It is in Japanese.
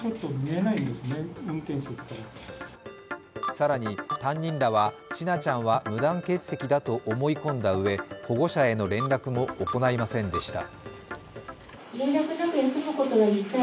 更に、担任らは千奈ちゃんは無断欠席だと思い込んだうえ保護者への連絡も行いませんでした。